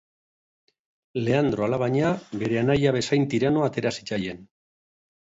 Leandro, alabaina, bere anaia bezain tiranoa atera zitzaien.